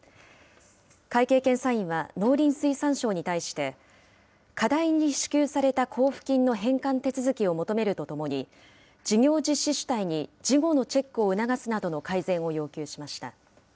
会計検査院は農林水産省に対して、過大に支給された交付金の返還手続きを求めるとともに、事業実施主体に事後のチェックを促すなどの改善を要求しました。